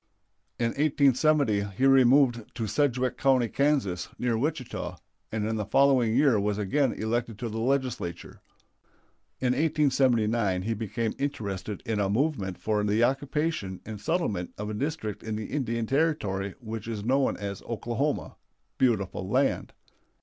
In 1870 he removed to Sedgwick County, Kansas, near Wichita, and in the following year was again elected to the Legislature. In 1879 he became interested in a movement for the occupation and settlement of a district in the Indian Territory which is known as Oklahoma (beautiful land).